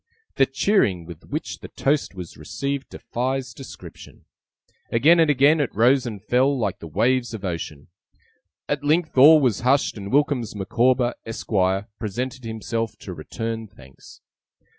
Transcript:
The cheering with which the toast was received defies description. Again and again it rose and fell, like the waves of ocean. At length all was hushed, and WILKINS MICAWBER, ESQUIRE, presented himself to return thanks.